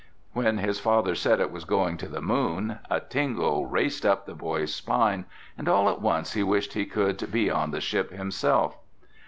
When his father said it was going to the moon, a tingle raced up the boy's spine and all at once he wished he could be on the ship himself.